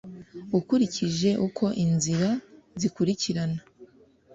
ukurikije uko inzira zikurikirana